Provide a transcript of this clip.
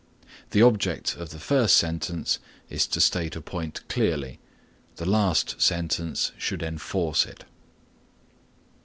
The object of the first sentence is to state a point clearly; the last sentence should enforce it.